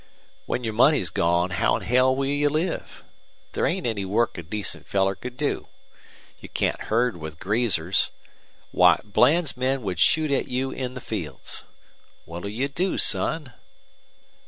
"When your money's gone how'n hell will you live? There ain't any work a decent feller could do. You can't herd with greasers. Why, Bland's men would shoot at you in the fields. What'll you do, son?"